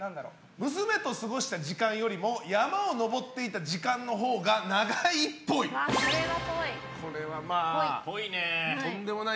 娘と過ごした時間よりも山を登っていた時間のほうがそれは、っぽい。